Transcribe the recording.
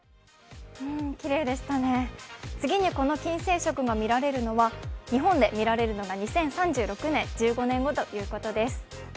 きれいでしたね、次にこの金星食が日本で見られるのは２０３６年、１５年後ということです。